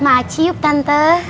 maaf yuk tante